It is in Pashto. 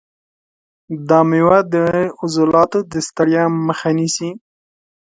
دا مېوه د عضلاتو د ستړیا مخه نیسي.